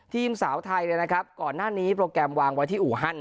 ทีมสาวไทยเนี่ยนะครับก่อนหน้านี้โปรแกรมวางไว้ที่อู่ฮั่น